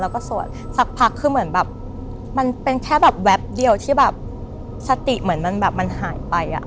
แล้วก็สวดสักพักคือเหมือนแบบมันเป็นแค่แบบแวบเดียวที่แบบสติเหมือนมันแบบมันหายไปอ่ะ